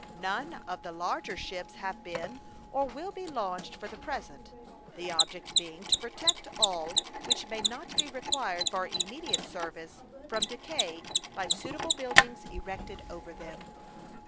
None of the larger ships have been or will be launched for the present, the object being to protect all which may not be required for immediate service from decay by suitable buildings erected over them.